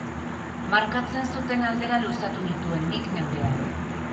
Markatzen zuten aldera luzatu nituen nik neureak.